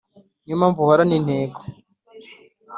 ni yo mpamvu uhorana intego